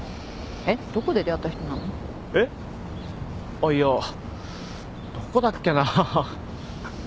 あっいやどこだっけなぁ。